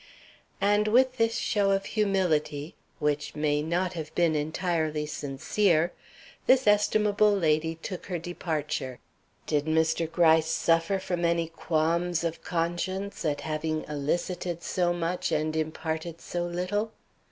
And with this show of humility, which may not have been entirely sincere, this estimable lady took her departure. Did Mr. Gryce suffer from any qualms of conscience at having elicited so much and imparted so little?